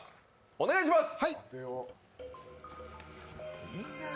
お願いします。